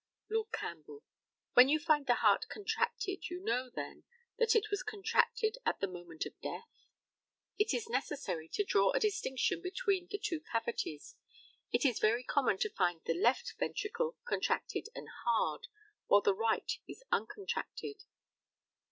Lord CAMPBELL: When you find the heart contracted you know, then, that it was contracted at the moment of death? It is necessary to draw a distinction between the two cavities. It is very common to find the left ventricle contracted and hard, while the right is uncontracted.